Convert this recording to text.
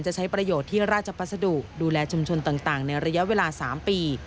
ใช้ประโยชน์ที่ราชพัสดุดูแลชุมชนต่างในระยะเวลา๓ปี